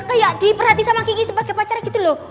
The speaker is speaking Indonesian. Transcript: kayak diperhati sama kiki sebagai pacarnya gitu loh